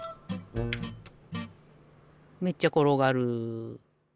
めっちゃころがる。